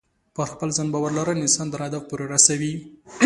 پر خپل ځان باور لرل انسان تر هدف پورې رسوي.